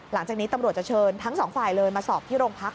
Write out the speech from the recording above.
หลังจากนี้ตำรวจจะเชิญทั้งสองฝ่ายเลยมาสอบที่โรงพัก